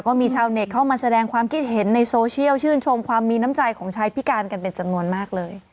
ก็มีชาวเน็ตเข้ามาแสดงความคิดเห็นในโซเชียลชื่นชมความมีน้ำใจของชายพิการกันเป็นจำนวนมากเลย